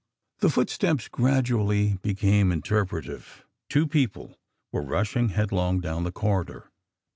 "The footsteps gradually became interpretative two people were rushing headlong down the corridor!